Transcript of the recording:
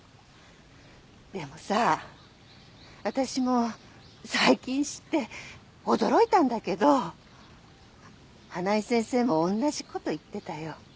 でもさ私も最近知って驚いたんだけど花井先生も同じ事言ってたよ。